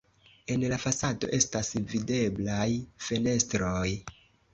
En la fasado estas videblaj fenestroj.